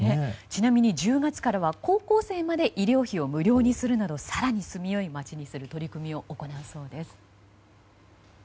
ちなみに１０月からは高校生まで医療費を無料にするなど更に住みよい町にする取り組みを行うそうです。